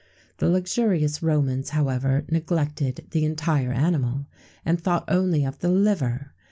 The luxurious Romans, however, neglected the entire animal, and thought only of the liver.